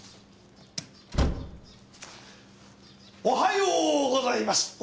おはようございます！